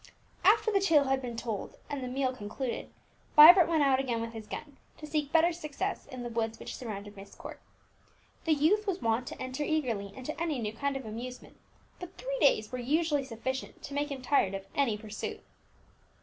'" After the tale had been told, and the meal concluded, Vibert went out again with his gun, to seek better success in the woods which surrounded Myst Court. The youth was wont to enter eagerly into any new kind of amusement, but three days were usually sufficient to make him tired of any pursuit.